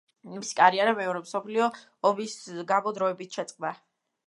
მისი კარიერა მეორე მსოფლიო ომის გამო დროებით შეწყდა.